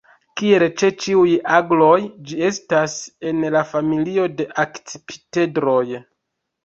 Kiel ĉe ĉiuj agloj, ĝi estas en la familio de Akcipitredoj.